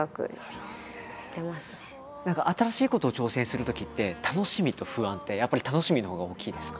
何か新しいことを挑戦するときって楽しみと不安ってやっぱり楽しみのほうが大きいですか？